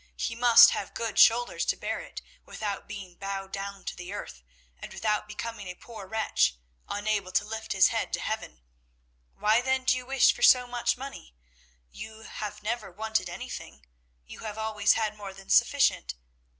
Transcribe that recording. He must have good shoulders to bear it without being bowed down to the earth, and without becoming a poor wretch, unable to lift his head to heaven. Why then do you wish for so much money? You have never wanted anything; you have always had more than sufficient.